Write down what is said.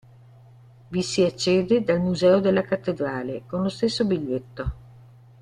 Vi si accede dal Museo della cattedrale, con lo stesso biglietto.